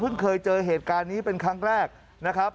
เคยเจอเหตุการณ์นี้เป็นครั้งแรกนะครับ